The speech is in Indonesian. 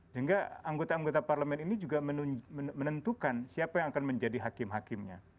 sehingga anggota anggota parlemen ini juga menentukan siapa yang akan menjadi hakim hakimnya